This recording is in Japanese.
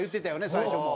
最初も。